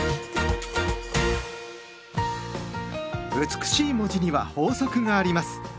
美しい文字には法則があります。